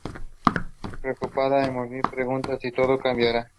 Preocupada, Hermione pregunta si todo cambiará.